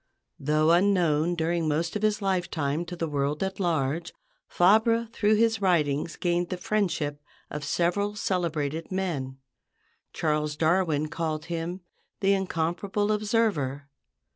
Though unknown during most of his lifetime to the world at large, Fabre through his writings gained the friendship of several celebrated men. Charles Darwin called him the "incomparable observer."